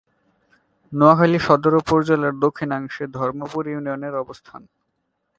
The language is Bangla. নোয়াখালী সদর উপজেলার দক্ষিণাংশে ধর্মপুর ইউনিয়নের অবস্থান।